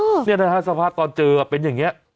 เนี่ยนะฮะสภาพตอนเจอเป็นอย่างนี้